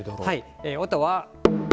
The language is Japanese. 音は。